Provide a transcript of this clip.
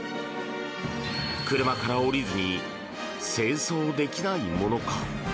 車から降りずに清掃できないものか。